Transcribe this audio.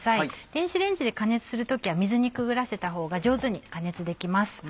電子レンジで加熱する時は水にくぐらせたほうが上手に加熱できます。